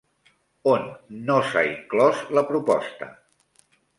On no s'ha inclòs la proposta?